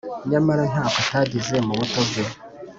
nyamara ntako atagize mu buto bwe